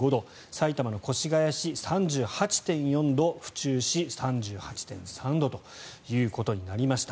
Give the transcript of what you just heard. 埼玉の越谷市、３８．４度府中市、３８．３度ということになりました。